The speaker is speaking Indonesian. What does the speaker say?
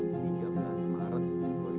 tertanggal tiga belas maret dua ribu dua puluh tiga